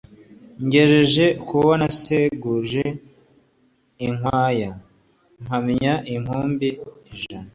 Ngejeje k'uwo naseguje inkwaya, mpamya inkumbi ijana